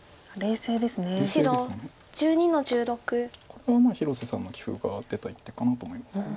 これは広瀬さんの棋風が出た一手かなと思います。